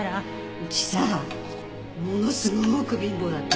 うちさものすごく貧乏だったの。